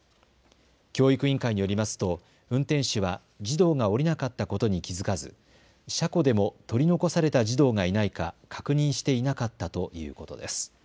教育委員会によりますと運転手は児童が降りなかったことに気付かず車庫でも取り残された児童がいないか確認していなかったということです。